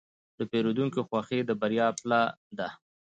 د پیرودونکي خوښي د بریا پله ده.